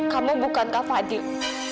kamu bukan kak fadil